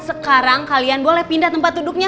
sekarang kalian boleh pindah tempat duduknya